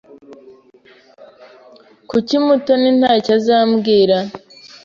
Kuki Mutoni ntacyo azambwira?